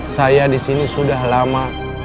saya disini sudah lama